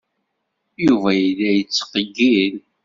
Yuba yella yettqeyyil.